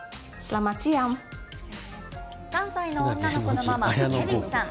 ３歳の女の子のママケヴィンさん。